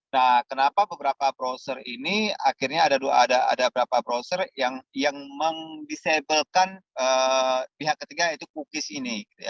nah kenapa beberapa browser ini akhirnya ada beberapa browser yang mendisabelkan pihak ketiga yaitu cookies ini